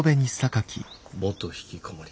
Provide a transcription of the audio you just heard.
元ひきこもり。